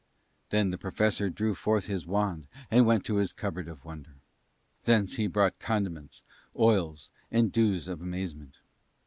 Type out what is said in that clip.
Then the Professor drew forth his wand and went to his cupboard of wonder. Thence he brought condiments, oils, and dews of amazement.